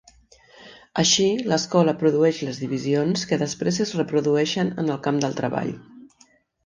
Així, l'escola produeix les divisions que després es reprodueixen en el camp del treball.